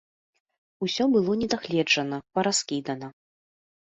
Усё было не дагледжана, параскідана.